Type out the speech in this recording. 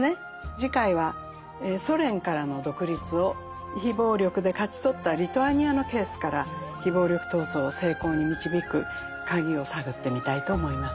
次回はソ連からの独立を非暴力で勝ち取ったリトアニアのケースから非暴力闘争を成功に導く鍵を探ってみたいと思います。